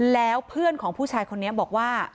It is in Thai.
แล้วเพื่อนของผู้ชายคนนี้บอกว่า